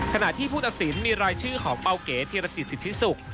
ขณะที่ผู้ตัดสินมีรายชื่อของเปาเก๋ธีรจิตสิทธิศุกร์